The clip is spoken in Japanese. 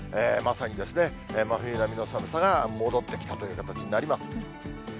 まさに真冬並みの寒さが戻ってきたという形になります。